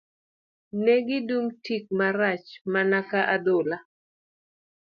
Ne gidum tik marach mana ka adhola